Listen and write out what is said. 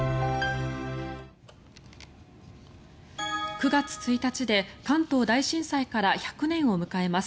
９月１日で関東大震災から１００年を迎えます。